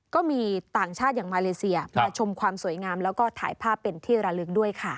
ก็มีต่างชาติอย่างมาเลเซียมาชมความสวยงามแล้วก็ถ่ายภาพเป็นที่ระลึกด้วยค่ะ